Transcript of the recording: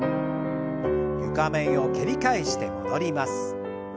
床面を蹴り返して戻ります。